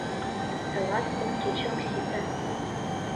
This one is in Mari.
— Тылат кум кече ок сите.